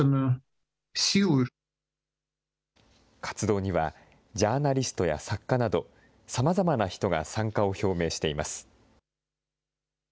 活動にはジャーナリストや作家などさまざまな人が参加を表明しています。